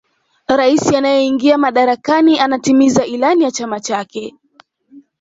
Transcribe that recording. raisi anayeingia madarakani anatimiza ilani ya chama chake